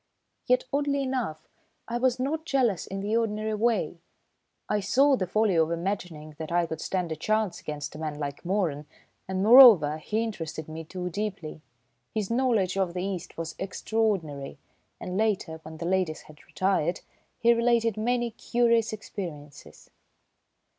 Yet, oddly enough, I was not jealous in the ordinary way. I saw the folly of imagining that I could stand a chance against a man like Moeran, and, moreover, he interested me too deeply. His knowledge of the East was extraordinary, and later, when the ladies had retired, he related many curious experiences.